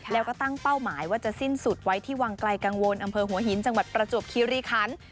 แล้วก็ตั้งเป้าหมายว่าจะสิ้นสุดไว้ที่วังไกลกังวลอำเภอหัวหินจังหวัดประจวบคิริคัน